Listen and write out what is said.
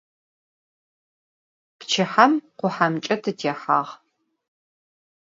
Pçıhem khuhemç'e tıtêhağ.